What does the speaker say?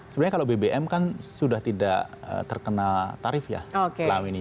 sebenarnya kalau bbm kan sudah tidak terkena tarif ya selama ini